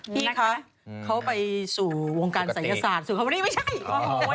พี่คะเขาไปสู่วงการศัยยศาสตร์สู่ความนี้ไม่ใช่